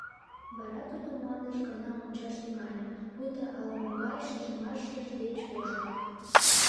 Вара тудо мландыш гына ончаш тӱҥале, пуйто ала-могай шижмашыж деч вожыльо.